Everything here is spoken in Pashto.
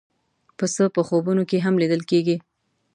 پسه په خوبونو کې هم لیدل کېږي.